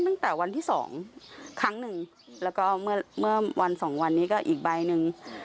ตั้งแต่วันที่สองครั้งหนึ่งแล้วก็เมื่อเมื่อวันสองวันนี้ก็อีกใบหนึ่ง